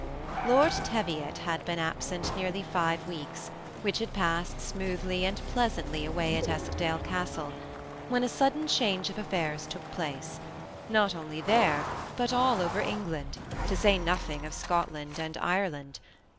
Lord Teyiot had been absent nearly five weeks, which had passed smoothly and pleasantly away at Esk dale Castle, when a sudden change of affairs took place ; not only there, but all over England, to say nothing of Scotland and Ireland.